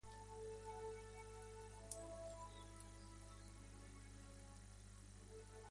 Las circunstancias de aquella fundación fueron las siguientes.